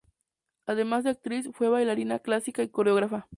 Además de actriz, fue bailarina clásica y coreógrafa.